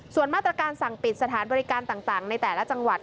ส่วนมาตรการสั่งปิดสถานบริการต่างในแต่ละจังหวัด